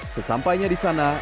sesampainya di sana